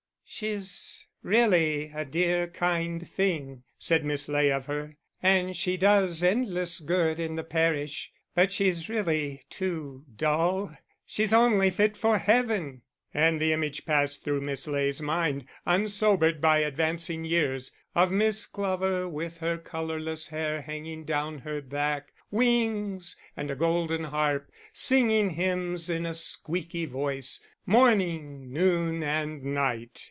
"She's really a dear kind thing," said Miss Ley of her, "and she does endless good in the parish but she's really too dull: she's only fit for heaven!" And the image passed through Miss Ley's mind, unsobered by advancing years, of Miss Glover, with her colourless hair hanging down her back, wings, and a golden harp, singing hymns in a squeaky voice, morning, noon, and night.